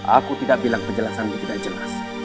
aku tidak bilang penjelasanmu tidak jelas